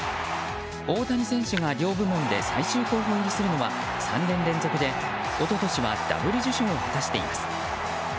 大谷選手が両部門で最終候補入りするのは３年連続で一昨年はダブル受賞を果たしています。